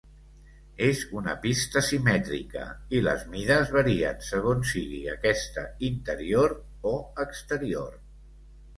És una pista simètrica, i les mides varien segons sigui aquesta interior o exterior.